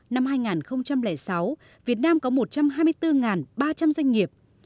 năm hai nghìn sáu việt nam có một trăm hai mươi bốn ba trăm linh doanh nghiệp